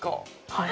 はい。